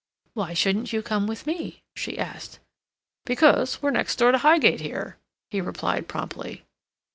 "Why shouldn't you come with me?" she asked. "Because we're next door to Highgate here," he replied promptly.